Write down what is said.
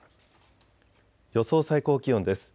予想最高気温です。